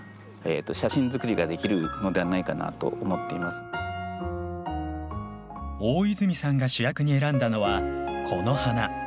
ここの世界の大泉さんが主役に選んだのはこの花。